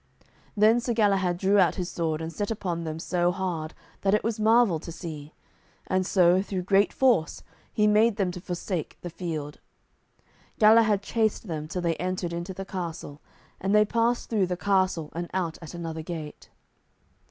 Then Sir Galahad drew out his sword, and set upon them so hard that it was marvel to see it, and so, through great force, he made them to forsake the field. Galahad chased them till they entered into the castle, and then passed through the castle and out at another gate.